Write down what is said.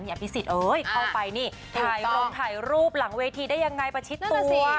มีอัพพิสิทธิ์เฮ้ยเข้าไปนี่ถ่ายลงถ่ายรูปหลังเวทีได้ยังไงประชิดตัว